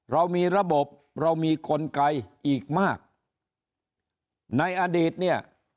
เรามีระบบเรามีกลไกอีกมากในอดีตเนี่ย